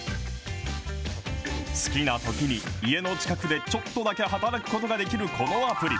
好きなときに、家の近くでちょっとだけ働くことができるこのアプリ。